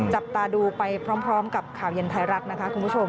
จับตาดูไปพร้อมกับข่าวเย็นไทยรัฐนะคะคุณผู้ชม